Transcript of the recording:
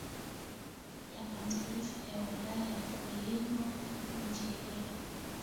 ya mataifa ya Ulaya ya kuigawa nchi hiyo